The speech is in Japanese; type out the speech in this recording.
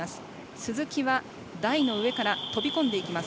鈴木は台の上から飛び込んでいきます。